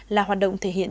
là hoạt động thể hiện